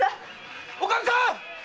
・おかみさん！